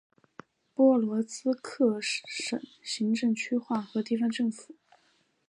波罗兹克省行政区划和地方政府。